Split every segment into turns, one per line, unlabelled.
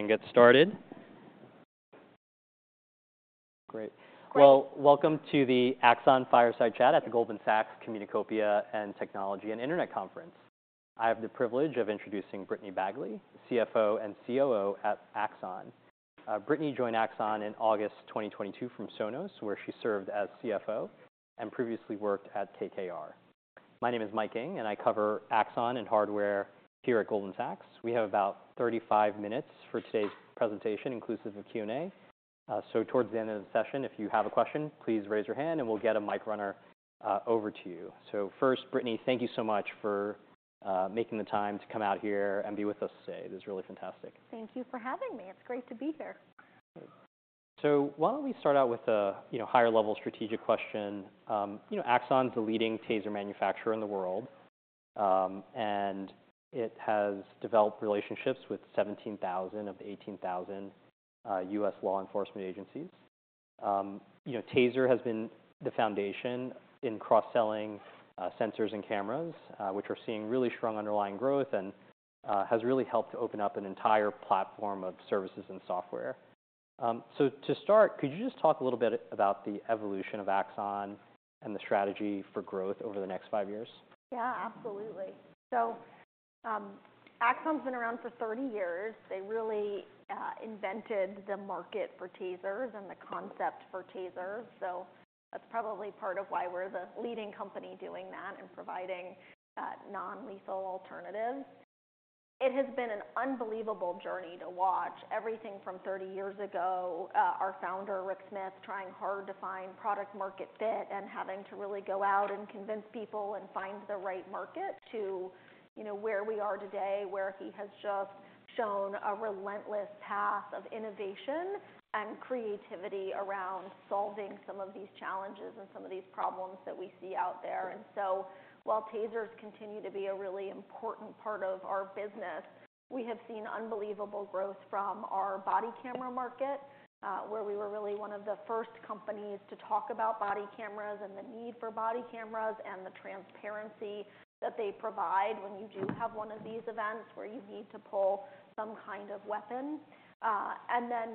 Go ahead and get started. Great.
Great.
Well, welcome to the Axon Fireside Chat at the Goldman Sachs Communacopia and Technology and Internet Conference. I have the privilege of introducing Brittany Bagley, CFO and COO at Axon. Brittany joined Axon in August 2022 from Sonos, where she served as CFO, and previously worked at KKR. My name is Mike Ng, and I cover Axon and hardware here at Goldman Sachs. We have about 35 minutes for today's presentation, inclusive of Q&A. So towards the end of the session, if you have a question, please raise your hand, and we'll get a mic runner over to you. So first, Brittany, thank you so much for making the time to come out here and be with us today. This is really fantastic.
Thank you for having me. It's great to be here.
So why don't we start out with, you know, a higher level strategic question? You know, Axon's the leading TASER manufacturer in the world, and it has developed relationships with 17,000 of 18,000 U.S. law enforcement agencies. You know, TASER has been the foundation in cross-selling sensors and cameras, which are seeing really strong underlying growth and has really helped open up an entire platform of services and software. So to start, could you just talk a little bit about the evolution of Axon and the strategy for growth over the next five years?
Yeah, absolutely. So, Axon's been around for 30 years. They really invented the market for TASERs and the concept for TASERs, so that's probably part of why we're the leading company doing that and providing non-lethal alternatives. It has been an unbelievable journey to watch, everything from 30 years ago, our founder, Rick Smith, trying hard to find product market fit and having to really go out and convince people and find the right market to, you know, where we are today, where he has just shown a relentless path of innovation and creativity around solving some of these challenges and some of these problems that we see out there. While TASERs continue to be a really important part of our business, we have seen unbelievable growth from our body camera market, where we were really one of the first companies to talk about body cameras and the need for body cameras, and the transparency that they provide when you do have one of these events where you need to pull some kind of weapon.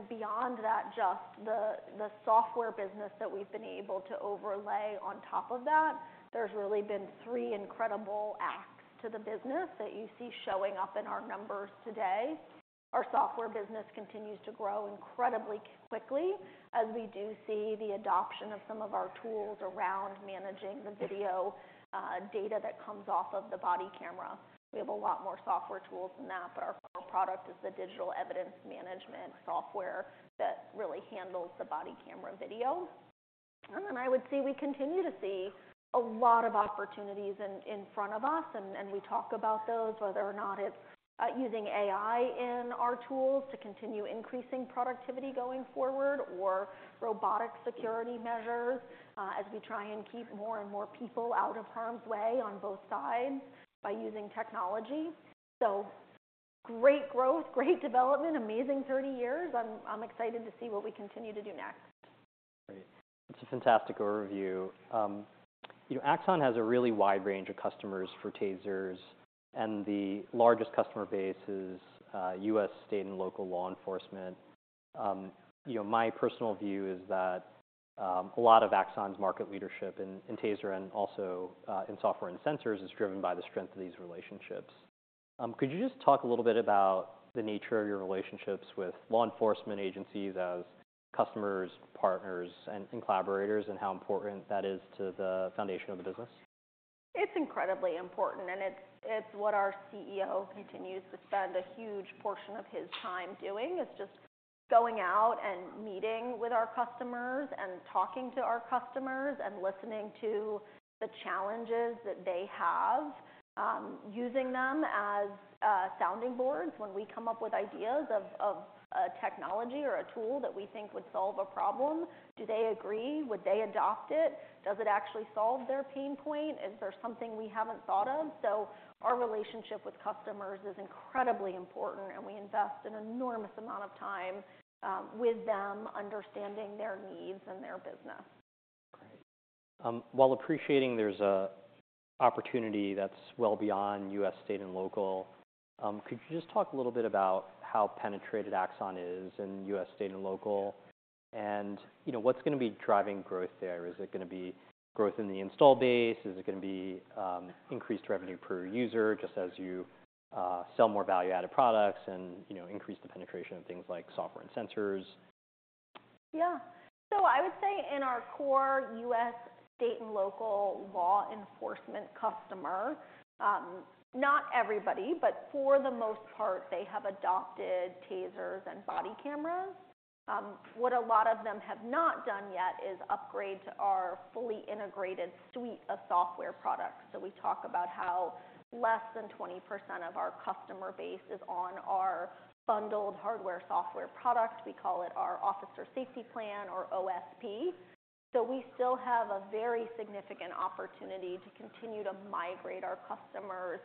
Beyond that, just the software business that we've been able to overlay on top of that, there's really been three incredible acts to the business that you see showing up in our numbers today. Our software business continues to grow incredibly quickly, as we do see the adoption of some of our tools around managing the video data that comes off of the body camera. We have a lot more software tools than that, but our core product is the digital evidence management software that really handles the body camera video. And then I would say, we continue to see a lot of opportunities in front of us, and we talk about those, whether or not it's using AI in our tools to continue increasing productivity going forward, or robotic security measures, as we try and keep more and more people out of harm's way on both sides by using technology. So great growth, great development, amazing 30 years. I'm excited to see what we continue to do next.
Great. That's a fantastic overview. You know, Axon has a really wide range of customers for TASERs, and the largest customer base is U.S. state and local law enforcement. You know, my personal view is that a lot of Axon's market leadership in TASER and also in software and sensors is driven by the strength of these relationships. Could you just talk a little bit about the nature of your relationships with law enforcement agencies as customers, partners, and collaborators, and how important that is to the foundation of the business?
It's incredibly important, and it's what our CEO continues to spend a huge portion of his time doing, is just going out and meeting with our customers and talking to our customers, and listening to the challenges that they have. Using them as sounding boards when we come up with ideas of a technology or a tool that we think would solve a problem. Do they agree? Would they adopt it? Does it actually solve their pain point? Is there something we haven't thought of? So our relationship with customers is incredibly important, and we invest an enormous amount of time with them, understanding their needs and their business.
Great. While appreciating there's an opportunity that's well beyond U.S. state and local, could you just talk a little bit about how penetrated Axon is in U.S. state and local? And, you know, what's gonna be driving growth there? Is it gonna be growth in the install base? Is it gonna be, increased revenue per user, just as you, sell more value-added products and, you know, increase the penetration of things like software and sensors?
Yeah. So I would say in our core U.S. state and local law enforcement customer, not everybody, but for the most part, they have adopted TASERs and body cameras. What a lot of them have not done yet is upgrade to our fully integrated suite of software products. So we talk about how less than 20% of our customer base is on our bundled hardware, software product. We call it our Officer Safety Plan or OSP. So we still have a very significant opportunity to continue to migrate our customers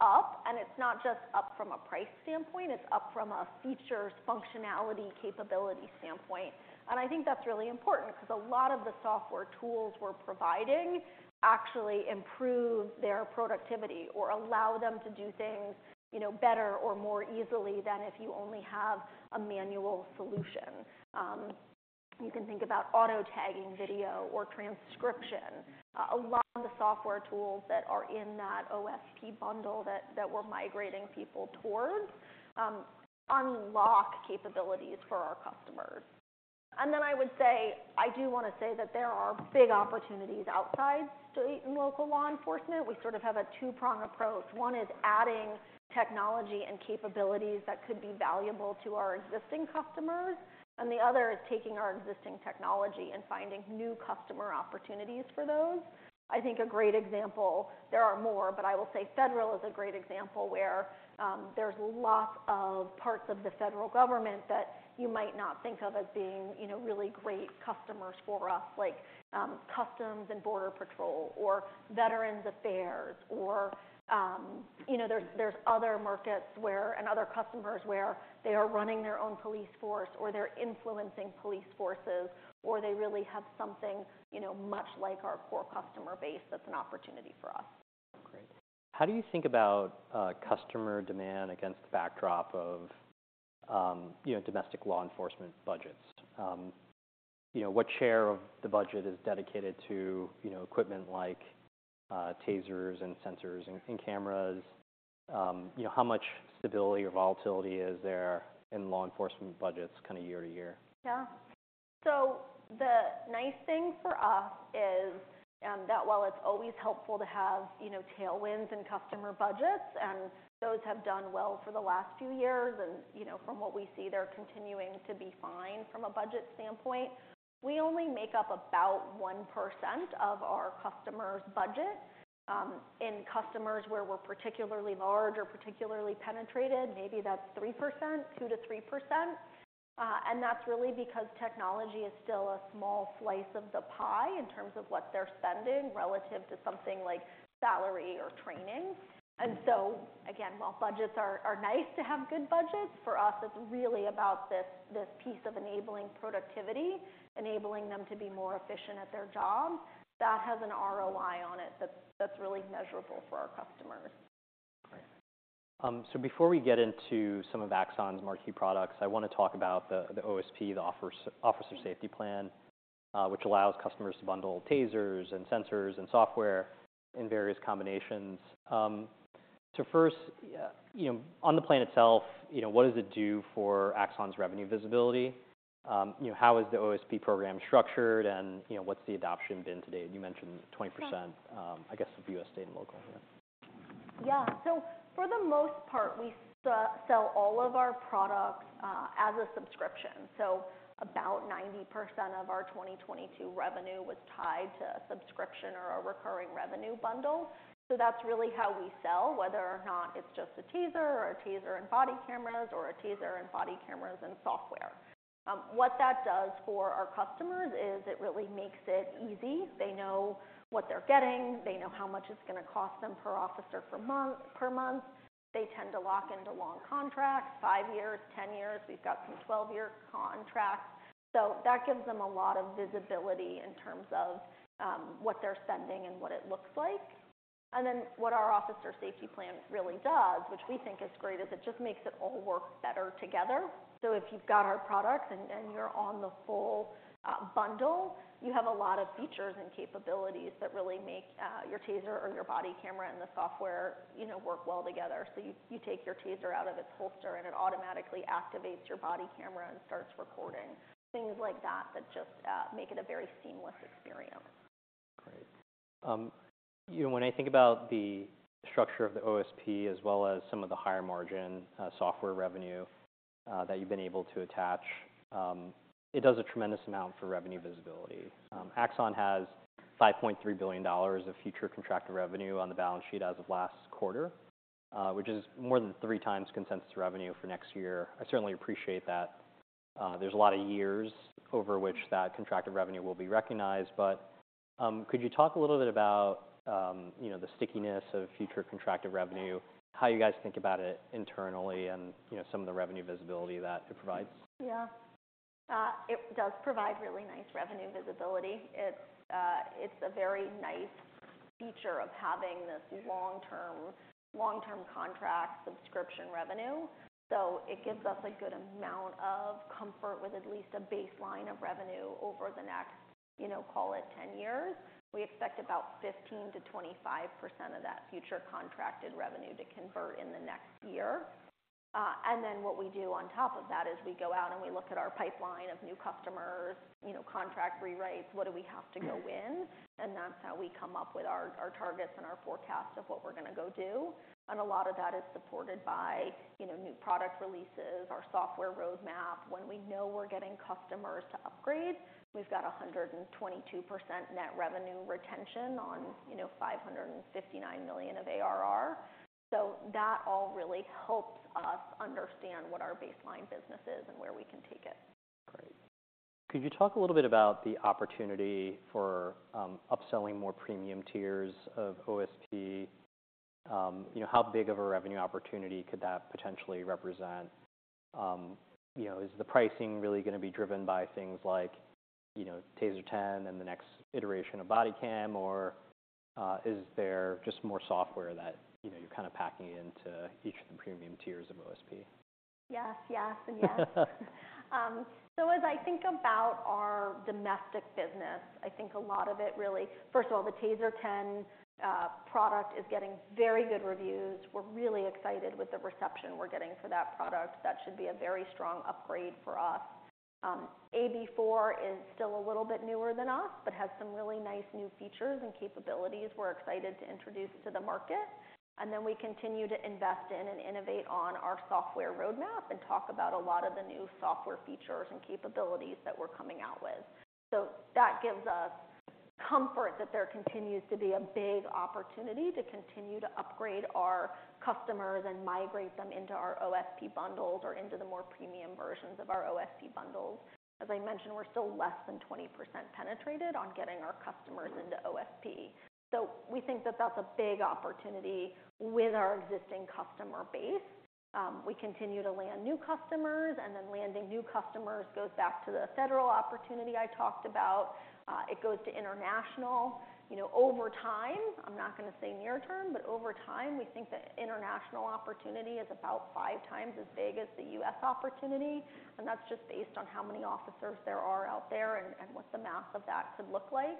up, and it's not just up from a price standpoint, it's up from a features, functionality, capability standpoint. And I think that's really important, 'cause a lot of the software tools we're providing actually improve their productivity or allow them to do things, you know, better or more easily than if you only have a manual solution. You can think about auto-tagging video or transcription. A lot of the software tools that are in that OSP bundle that we're migrating people towards unlock capabilities for our customers. And then I would say, I do want to say that there are big opportunities outside state and local law enforcement. We sort of have a two-pronged approach. One is adding technology and capabilities that could be valuable to our existing customers, and the other is taking our existing technology and finding new customer opportunities for those. I think a great example, there are more, but I will say federal is a great example where there's lots of parts of the federal government that you might not think of as being, you know, really great customers for us, like Customs and Border Patrol or Veterans Affairs or, you know, there's, there's other markets where and other customers where they are running their own police force or they're influencing police forces, or they really have something, you know, much like our core customer base, that's an opportunity for us.
Great. How do you think about, customer demand against the backdrop of, you know, domestic law enforcement budgets? You know, what share of the budget is dedicated to, you know, equipment like, TASERs and sensors and, and cameras? You know, how much stability or volatility is there in law enforcement budgets kind of year to year?
Yeah. So the nice thing for us is, that while it's always helpful to have, you know, tailwinds in customer budgets, and those have done well for the last few years, and, you know, from what we see, they're continuing to be fine from a budget standpoint, we only make up about 1% of our customers' budget. In customers where we're particularly large or particularly penetrated, maybe that's 3%, 2%-3%. And that's really because technology is still a small slice of the pie in terms of what they're spending, relative to something like salary or training. And so, again, while budgets are nice to have good budgets, for us, it's really about this piece of enabling productivity, enabling them to be more efficient at their job. That has an ROI on it that's really measurable for our customers.
Great. So before we get into some of Axon's marquee products, I want to talk about the OSP, the Officer Safety Plan, which allows customers to bundle TASERs and sensors and software in various combinations. So first, you know, on the plan itself, you know, what does it do for Axon's revenue visibility? You know, how is the OSP program structured, and, you know, what's the adoption been to date? You mentioned 20%-
Yeah.
I guess of U.S. state and local here.
Yeah. So for the most part, we sell all of our products as a subscription. So about 90% of our 2022 revenue was tied to a subscription or a recurring revenue bundle. So that's really how we sell, whether or not it's just a TASER, or a TASER and body cameras, or a TASER and body cameras and software. What that does for our customers is it really makes it easy. They know what they're getting. They know how much it's gonna cost them per officer per month, per month. They tend to lock into long contracts, five years, 10 years. We've got some 12-year contracts. So that gives them a lot of visibility in terms of what they're spending and what it looks like. What our Officer Safety Plan really does, which we think is great, is it just makes it all work better together. So if you've got our products and you're on the full bundle, you have a lot of features and capabilities that really make your TASER or your body camera and the software, you know, work well together. So you take your TASER out of its holster, and it automatically activates your body camera and starts recording, things like that, that just make it a very seamless experience.
Great. You know, when I think about the structure of the OSP as well as some of the higher margin software revenue that you've been able to attach, it does a tremendous amount for revenue visibility. Axon has $5.3 billion of future contracted revenue on the balance sheet as of last quarter, which is more than three times consensus revenue for next year. I certainly appreciate that. There's a lot of years over which that contracted revenue will be recognized, but could you talk a little bit about, you know, the stickiness of future contracted revenue, how you guys think about it internally, and, you know, some of the revenue visibility that it provides?
Yeah. It does provide really nice revenue visibility. It's, it's a very nice feature of having this long-term, long-term contract subscription revenue. So it gives us a good amount of comfort with at least a baseline of revenue over the next, you know, call it 10 years. We expect about 15%-25% of that future contracted revenue to convert in the next year. And then what we do on top of that is we go out and we look at our pipeline of new customers, you know, contract rewrites, what do we have to go win?
Mm-hmm.
That's how we come up with our, our targets and our forecast of what we're gonna go do. A lot of that is supported by, you know, new product releases, our software roadmap. When we know we're getting customers to upgrade, we've got 122% net revenue retention on, you know, $559 million of ARR. So that all really helps us understand what our baseline business is and where we can take it.
Great. Could you talk a little bit about the opportunity for upselling more premium tiers of OSP? You know, how big of a revenue opportunity could that potentially represent? You know, is the pricing really gonna be driven by things like, you know, TASER 10 and the next iteration of body cam, or is there just more software that, you know, you're kind of packing into each of the premium tiers of OSP?
Yes, yes, and yes. So as I think about our domestic business, I think a lot of it, really. First of all, the TASER 10 product is getting very good reviews. We're really excited with the reception we're getting for that product. That should be a very strong upgrade for us. AB4 is still a little bit newer than us, but has some really nice new features and capabilities we're excited to introduce to the market. And then we continue to invest in and innovate on our software roadmap, and talk about a lot of the new software features and capabilities that we're coming out with. So that gives us comfort that there continues to be a big opportunity to continue to upgrade our customers and migrate them into our OSP bundles or into the more premium versions of our OSP bundles. As I mentioned, we're still less than 20% penetrated on getting our customers into OSP, so we think that that's a big opportunity with our existing customer base. We continue to land new customers, and then landing new customers goes back to the federal opportunity I talked about. It goes to international. You know, over time, I'm not going to say near term, but over time, we think the international opportunity is about five times as big as the U.S. opportunity, and that's just based on how many officers there are out there and what the math of that could look like.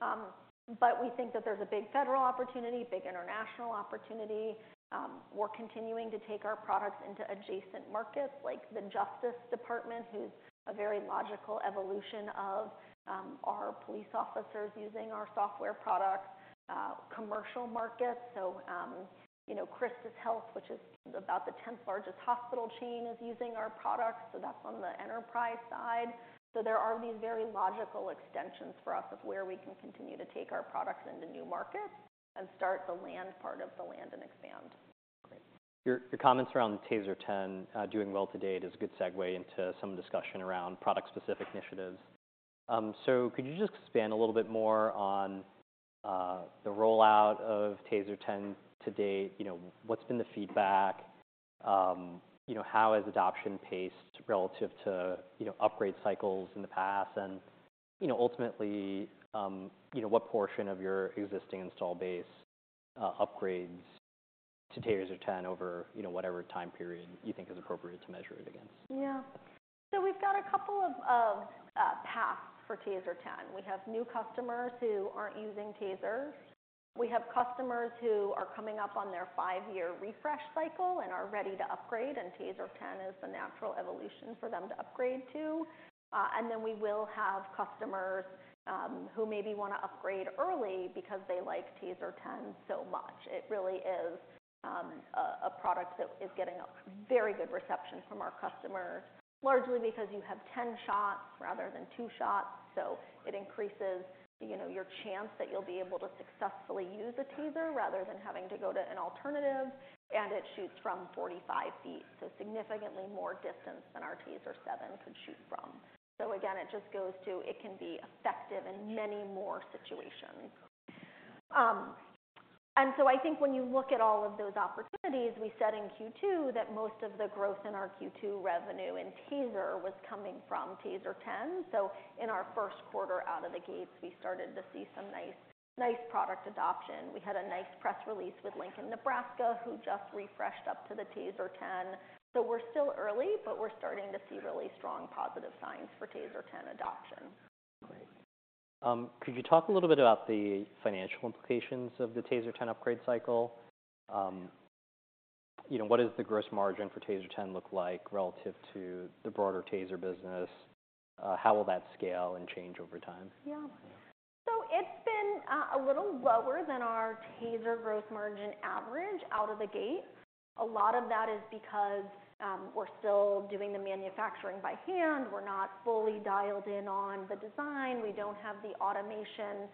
But we think that there's a big federal opportunity, big international opportunity. We're continuing to take our products into adjacent markets, like the Justice Department, who's a very logical evolution of our police officers using our software products. Commercial markets, so, you know, CHRISTUS Health, which is about the tenth largest hospital chain, is using our products, so that's on the enterprise side. So there are these very logical extensions for us of where we can continue to take our products into new markets and start the land part of the land and expand.
Great. Your comments around TASER 10 doing well to date is a good segue into some discussion around product-specific initiatives. So could you just expand a little bit more on the rollout of TASER 10 to date? You know, what's been the feedback? You know, how has adoption paced relative to you know, upgrade cycles in the past? And, you know, ultimately, you know, what portion of your existing install base upgrades to TASER 10 over you know, whatever time period you think is appropriate to measure it against?
Yeah. So we've got a couple of paths for TASER 10. We have new customers who aren't using TASERs. We have customers who are coming up on their five-year refresh cycle and are ready to upgrade, and TASER 10 is the natural evolution for them to upgrade to. And then we will have customers who maybe want to upgrade early because they like TASER 10 so much. It really is a product that is getting a very good reception from our customers, largely because you have 10 shots rather than two shots, so it increases, you know, your chance that you'll be able to successfully use a TASER rather than having to go to an alternative. And it shoots from 45 ft, so significantly more distance than our TASER 7 could shoot from. So again, it just goes to it can be effective in many more situations. And so I think when you look at all of those opportunities, we said in Q2 that most of the growth in our Q2 revenue in TASER was coming from TASER 10. So in our first quarter out of the gates, we started to see some nice, nice product adoption. We had a nice press release with Lincoln, Nebraska, who just refreshed up to the TASER 10. So we're still early, but we're starting to see really strong positive signs for TASER 10 adoption.
Great. Could you talk a little bit about the financial implications of the TASER 10 upgrade cycle? You know, what does the gross margin for TASER 10 look like relative to the broader TASER business? How will that scale and change over time?
Yeah. So it's been a little lower than our TASER gross margin average out of the gate. A lot of that is because we're still doing the manufacturing by hand. We're not fully dialed in on the design. We don't have the automation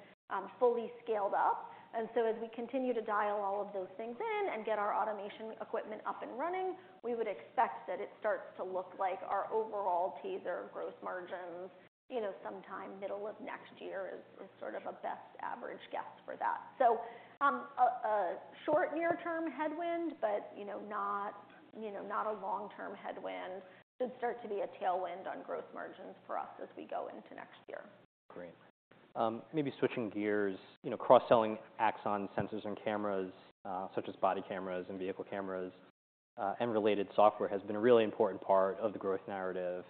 fully scaled up. And so as we continue to dial all of those things in and get our automation equipment up and running, we would expect that it starts to look like our overall TASER gross margins, you know, sometime middle of next year is sort of a best average guess for that. So, a short near-term headwind, but, you know, not a long-term headwind. Should start to be a tailwind on gross margins for us as we go into next year.
Great. Maybe switching gears, you know, cross-selling Axon sensors and cameras, such as body cameras and vehicle cameras, and related software has been a really important part of the growth narrative.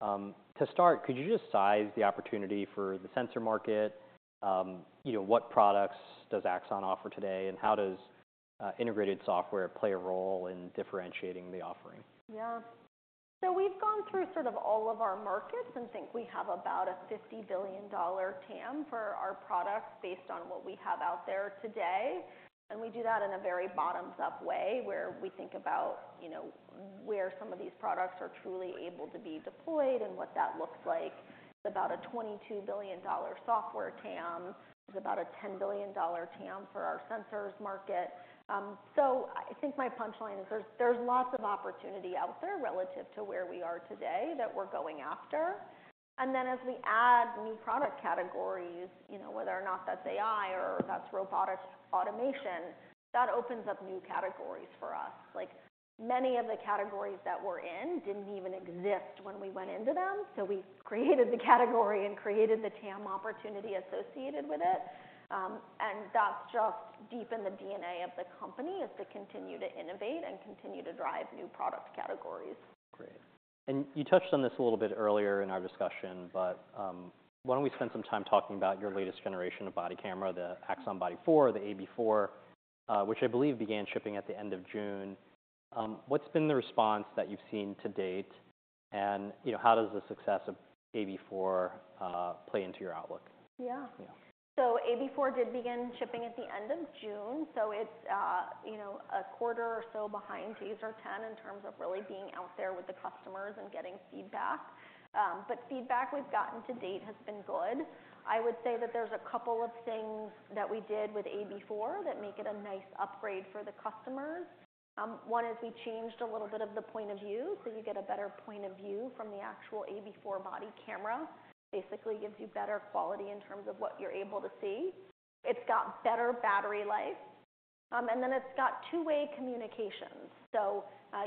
To start, could you just size the opportunity for the sensor market? You know, what products does Axon offer today, and how does integrated software play a role in differentiating the offering?
Yeah. So we've gone through sort of all of our markets and think we have about a $50 billion TAM for our products based on what we have out there today, and we do that in a very bottoms-up way, where we think about, you know, where some of these products are truly able to be deployed and what that looks like. It's about a $22 billion software TAM. It's about a $10 billion TAM for our sensors market. So I think my punchline is there's, there's lots of opportunity out there relative to where we are today that we're going after. And then as we add new product categories, you know, whether or not that's AI or that's robotic automation, that opens up new categories for us. Like, many of the categories that we're in didn't even exist when we went into them, so we created the category and created the TAM opportunity associated with it. That's just deep in the DNA of the company, is to continue to innovate and continue to drive new product categories.
Great. You touched on this a little bit earlier in our discussion, but why don't we spend some time talking about your latest generation of body camera, the Axon Body 4, the AB4, which I believe began shipping at the end of June. What's been the response that you've seen to date, and, you know, how does the success of AB4 play into your outlook?
Yeah.
Yeah.
So AB4 did begin shipping at the end of June, so it's, you know, a quarter or so behind TASER 10 in terms of really being out there with the customers and getting feedback. But feedback we've gotten to date has been good. I would say that there's a couple of things that we did with AB4 that make it a nice upgrade for the customers. One is we changed a little bit of the point of view, so you get a better point of view from the actual AB4 body camera. Basically gives you better quality in terms of what you're able to see. It's got better battery life, and then it's got two-way communications. So,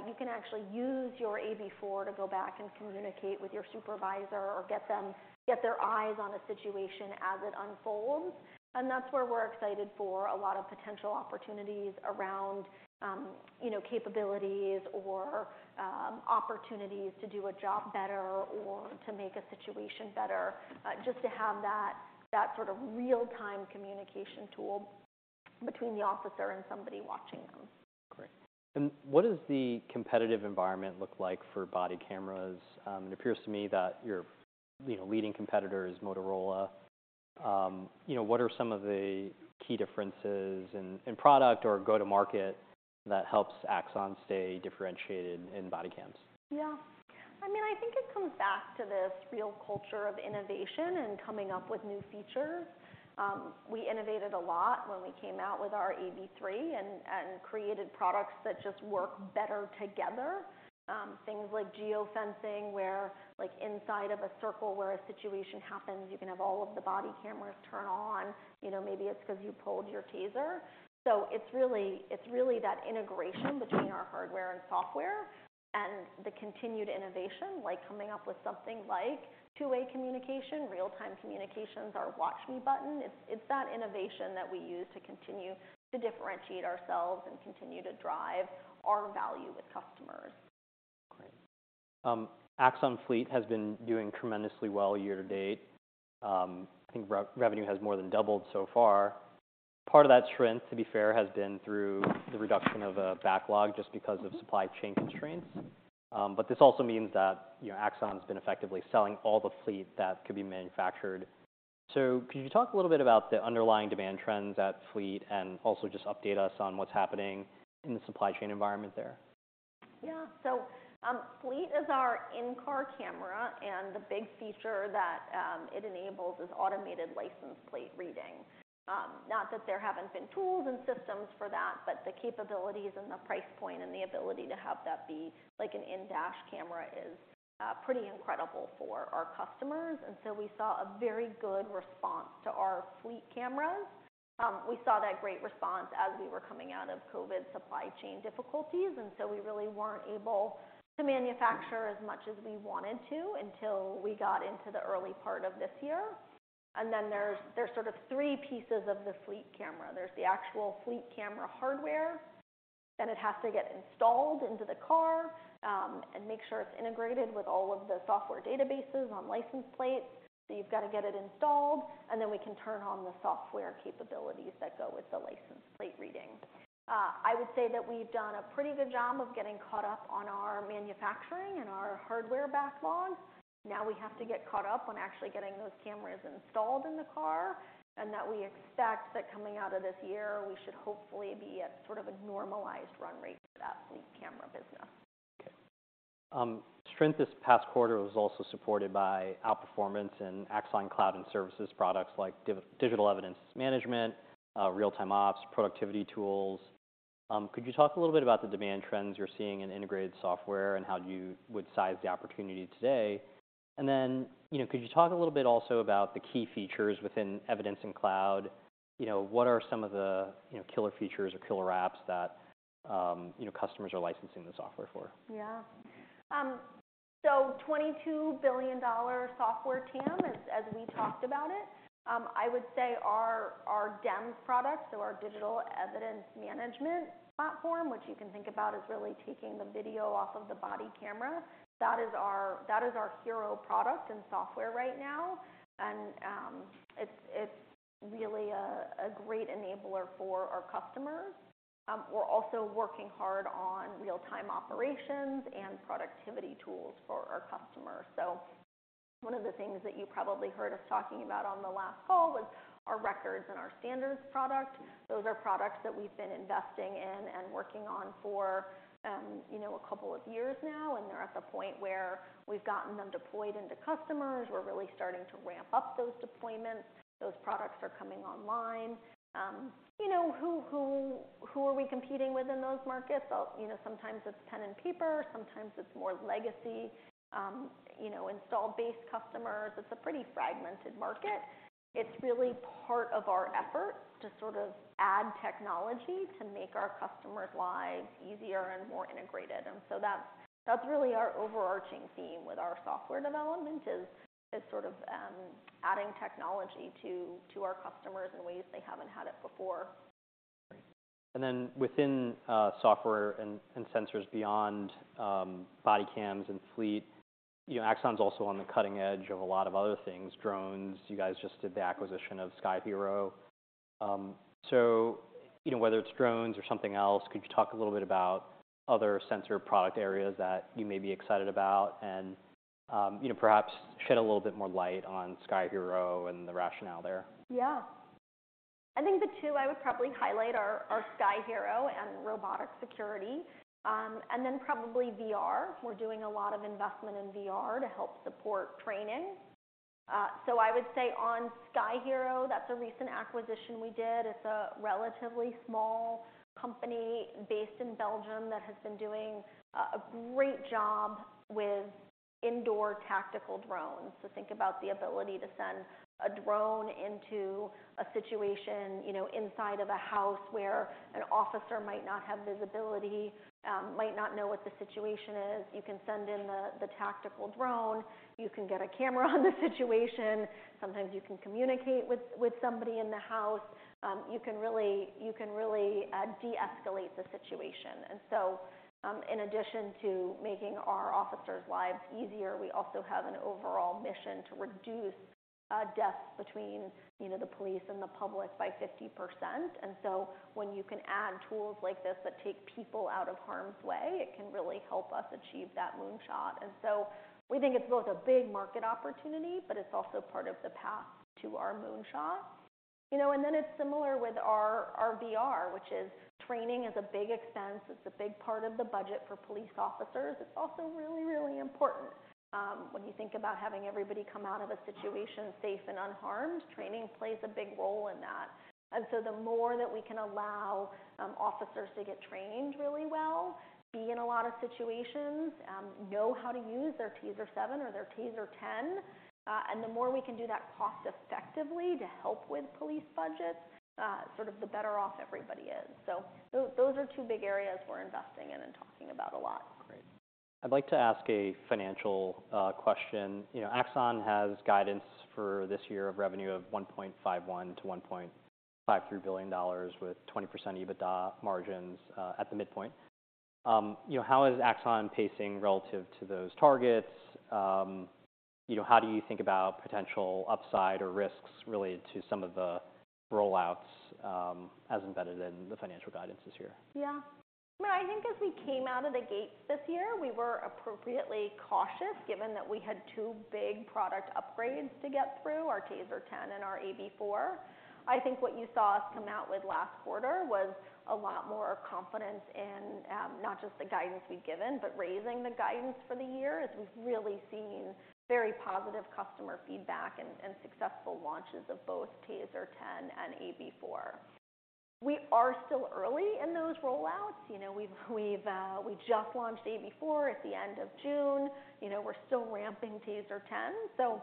you can actually use your AB4 to go back and communicate with your supervisor, or get their eyes on a situation as it unfolds. That's where we're excited for a lot of potential opportunities around, you know, capabilities or, opportunities to do a job better or to make a situation better. Just to have that sort of real-time communication tool between the officer and somebody watching them.
Great. And what does the competitive environment look like for body cameras? It appears to me that your, you know, leading competitor is Motorola. You know, what are some of the key differences in product or go-to-market that helps Axon stay differentiated in body cams?
Yeah. I mean, I think it comes back to this real culture of innovation and coming up with new features. We innovated a lot when we came out with our AB3 and, and created products that just work better together. Things like geofencing, where, like, inside of a circle where a situation happens, you can have all of the body cameras turn on. You know, maybe it's 'cause you pulled your TASER. So it's really, it's really that integration between our hardware and software, and the continued innovation, like coming up with something like two-way communication, real-time communications, our Watch Me button. It's, it's that innovation that we use to continue to differentiate ourselves and continue to drive our value with customers.
Great. Axon Fleet has been doing tremendously well year to date. I think revenue has more than doubled so far. Part of that trend, to be fair, has been through the reduction of a backlog, just because of supply chain constraints. But this also means that, you know, Axon's been effectively selling all the Fleet that could be manufactured. So could you talk a little bit about the underlying demand trends at Fleet, and also just update us on what's happening in the supply chain environment there?
Yeah. So, Fleet is our in-car camera, and the big feature that it enables is automated license plate reading. Not that there haven't been tools and systems for that, but the capabilities and the price point, and the ability to have that be like an in-dash camera is pretty incredible for our customers. And so we saw a very good response to our Fleet cameras. We saw that great response as we were coming out of COVID supply chain difficulties, and so we really weren't able to manufacture as much as we wanted to until we got into the early part of this year. And then there's sort of three pieces of the Fleet camera. There's the actual Fleet camera hardware, then it has to get installed into the car, and make sure it's integrated with all of the software databases on license plates. So you've got to get it installed, and then we can turn on the software capabilities that go with the license plate reading. I would say that we've done a pretty good job of getting caught up on our manufacturing and our hardware backlog. Now we have to get caught up on actually getting those cameras installed in the car, and that we expect that coming out of this year, we should hopefully be at sort of a normalized run rate for that Fleet camera business.
Okay. Strength this past quarter was also supported by outperformance in Axon Cloud and services products like Digital Evidence Management, Real-Time Ops, productivity tools. Could you talk a little bit about the demand trends you're seeing in integrated software, and how you would size the opportunity today? And then, you know, could you talk a little bit also about the key features within Evidence and Cloud? You know, what are some of the, you know, killer features or killer apps that, you know, customers are licensing the software for?
Yeah. So $22 billion software TAM, as we talked about it. I would say our DEM product, so our Digital Evidence Management platform, which you can think about as really taking the video off of the body camera, that is our... that is our hero product in software right now. And, it's really a great enabler for our customers. We're also working hard on real-time operations and productivity tools for our customers. So one of the things that you probably heard us talking about on the last call was our Records and our Standards product. Those are products that we've been investing in and working on for, you know, a couple of years now, and they're at the point where we've gotten them deployed into customers. We're really starting to ramp up those deployments. Those products are coming online. You know, who are we competing with in those markets? You know, sometimes it's pen and paper, sometimes it's more legacy installed base customers. It's a pretty fragmented market. It's really part of our effort to sort of add technology to make our customers' lives easier and more integrated. So that's really our overarching theme with our software development is sort of adding technology to our customers in ways they haven't had it before....
Then within software and sensors beyond body cams and fleet, you know, Axon's also on the cutting edge of a lot of other things. Drones, you guys just did the acquisition of Sky-Hero. So, you know, whether it's drones or something else, could you talk a little bit about other sensor product areas that you may be excited about and, you know, perhaps shed a little bit more light on Sky-Hero and the rationale there?
Yeah. I think the two I would probably highlight are Sky-Hero and robotic security, and then probably VR. We're doing a lot of investment in VR to help support training. So I would say on Sky-Hero, that's a recent acquisition we did. It's a relatively small company based in Belgium that has been doing a great job with indoor tactical drones. So think about the ability to send a drone into a situation, you know, inside of a house where an officer might not have visibility, might not know what the situation is. You can send in the tactical drone, you can get a camera on the situation, sometimes you can communicate with somebody in the house. You can really, you can really de-escalate the situation. So, in addition to making our officers' lives easier, we also have an overall mission to reduce deaths between, you know, the police and the public by 50%. So when you can add tools like this that take people out of harm's way, it can really help us achieve that moonshot. So we think it's both a big market opportunity, but it's also part of the path to our moonshot. You know, and then it's similar with our, our VR, which is training is a big expense, it's a big part of the budget for police officers. It's also really, really important. When you think about having everybody come out of a situation safe and unharmed, training plays a big role in that. And so the more that we can allow officers to get trained really well, be in a lot of situations, know how to use their TASER 7 or their TASER 10, and the more we can do that cost effectively to help with police budgets, sort of the better off everybody is. So those are two big areas we're investing in and talking about a lot.
Great. I'd like to ask a financial question. You know, Axon has guidance for this year of revenue of $1.51 billion-$1.53 billion, with 20% EBITDA margins at the midpoint. You know, how is Axon pacing relative to those targets? You know, how do you think about potential upside or risks related to some of the rollouts as embedded in the financial guidance this year?
Yeah. I think as we came out of the gate this year, we were appropriately cautious, given that we had two big product upgrades to get through, our TASER 10 and our AB4. I think what you saw us come out with last quarter was a lot more confidence in, not just the guidance we've given, but raising the guidance for the year, as we've really seen very positive customer feedback and successful launches of both TASER 10 and AB4. We are still early in those rollouts. You know, we've we've we just launched AB4 at the end of June. You know, we're still ramping TASER 10. So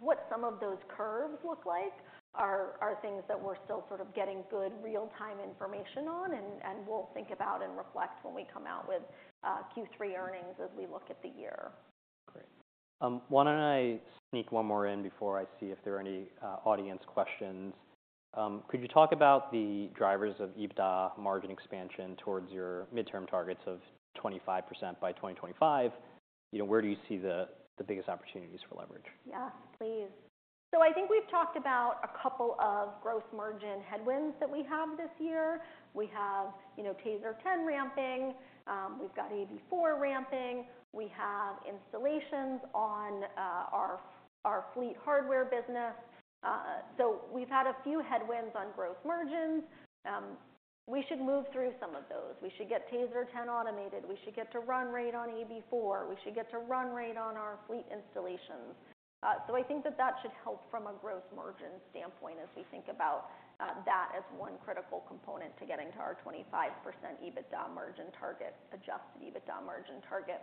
what some of those curves look like are things that we're still sort of getting good real-time information on, and we'll think about and reflect when we come out with Q3 earnings as we look at the year.
Great. Why don't I sneak one more in before I see if there are any audience questions? Could you talk about the drivers of EBITDA margin expansion towards your midterm targets of 25% by 2025? You know, where do you see the, the biggest opportunities for leverage?
Yeah, please. So I think we've talked about a couple of gross margin headwinds that we have this year. We have, you know, TASER 10 ramping, we've got AB4 ramping, we have installations on our fleet hardware business. So we've had a few headwinds on gross margins. We should move through some of those. We should get TASER 10 automated, we should get to run rate on AB4, we should get to run rate on our fleet installations. So I think that should help from a gross margin standpoint as we think about that as one critical component to getting to our 25% EBITDA margin target, Adjusted EBITDA margin target.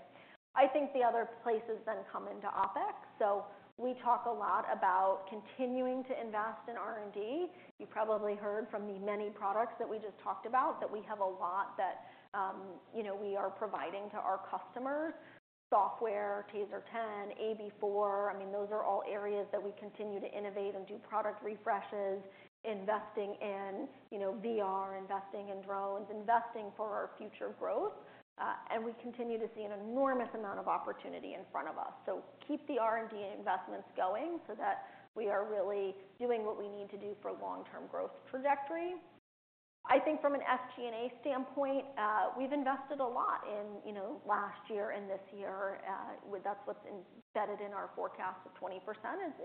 I think the other places then come into OpEx. So we talk a lot about continuing to invest in R&D. You probably heard from the many products that we just talked about, that we have a lot that, you know, we are providing to our customers: software, TASER 10, AB4. I mean, those are all areas that we continue to innovate and do product refreshes, investing in, you know, VR, investing in drones, investing for our future growth. And we continue to see an enormous amount of opportunity in front of us. So keep the R&D investments going so that we are really doing what we need to do for long-term growth trajectory. I think from an SG&A standpoint, we've invested a lot in, you know, last year and this year. Well, that's what's embedded in our forecast of 20%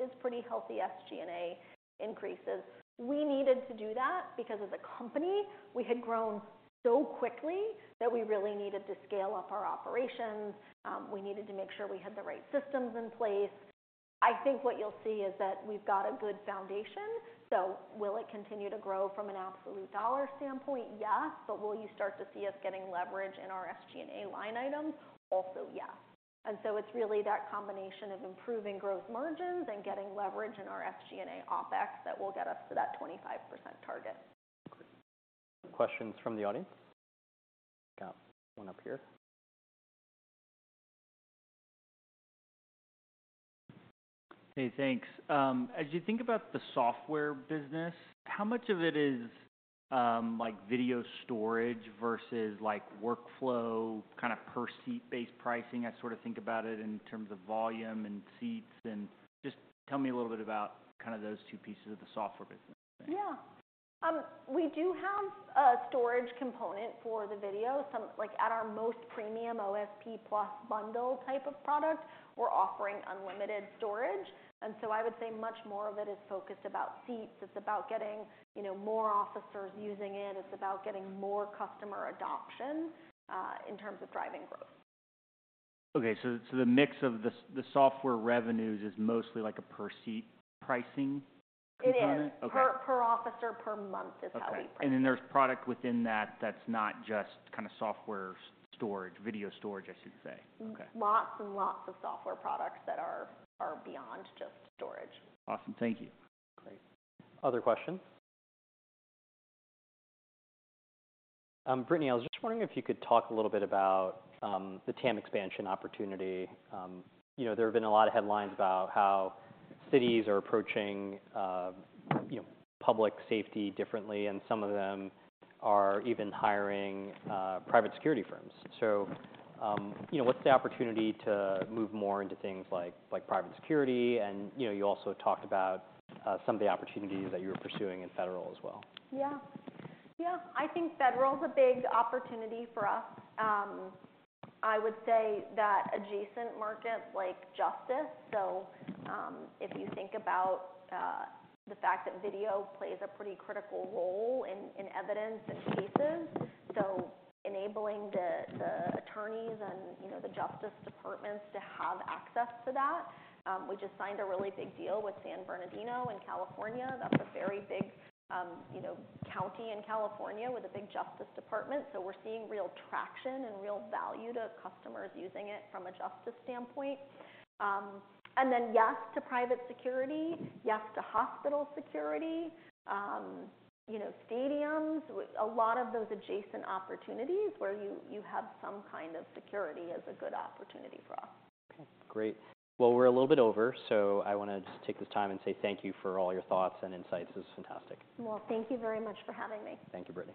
is pretty healthy SG&A increases. We needed to do that because as a company, we had grown so quickly that we really needed to scale up our operations. We needed to make sure we had the right systems in place. I think what you'll see is that we've got a good foundation. So will it continue to grow from an absolute dollar standpoint? Yes. But will you start to see us getting leverage in our SG&A line item? Also, yes. And so it's really that combination of improving gross margins and getting leverage in our SG&A OpEx that will get us to that 25% target.
Great. Questions from the audience? We've got one up here....
Hey, thanks. As you think about the software business, how much of it is, like video storage versus like workflow, kind of per seat-based pricing? I sort of think about it in terms of volume and seats, and just tell me a little bit about kind of those two pieces of the software business.
Yeah. We do have a storage component for the video. Some, like, at our most premium OSP plus bundle type of product, we're offering unlimited storage, and so I would say much more of it is focused about seats. It's about getting, you know, more officers using it. It's about getting more customer adoption in terms of driving growth.
Okay. So the mix of the software revenues is mostly like a per seat pricing component?
It is.
Okay.
Per officer, per month is how we price it.
Okay. And then there's product within that that's not just kind of software storage, video storage, I should say. Okay.
Lots and lots of software products that are beyond just storage.
Awesome. Thank you.
Great. Other questions? Brittany, I was just wondering if you could talk a little bit about the TAM expansion opportunity. You know, there have been a lot of headlines about how cities are approaching, you know, public safety differently, and some of them are even hiring private security firms. So, you know, what's the opportunity to move more into things like private security? And, you know, you also talked about some of the opportunities that you're pursuing in federal as well.
Yeah. Yeah, I think federal is a big opportunity for us. I would say that adjacent markets like justice, so, if you think about, the fact that video plays a pretty critical role in, in evidence and cases, so enabling the, the attorneys and, you know, the justice departments to have access to that. We just signed a really big deal with San Bernardino, California. That's a very big, you know, county in California with a big justice department. So we're seeing real traction and real value to customers using it from a justice standpoint. And then yes, to private security. Yes to hospital security, you know, stadiums. A lot of those adjacent opportunities where you, you have some kind of security is a goo d opportunity for us.
Okay, great. Well, we're a little bit over, so I want to just take this time and say thank you for all your thoughts and insights. This is fantastic.
Well, thank you very much for having me.
Thank you, Brittany.